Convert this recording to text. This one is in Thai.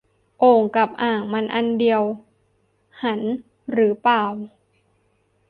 โอ่ง กับ อ่าง มันอันเดียวหันหรือเปล่า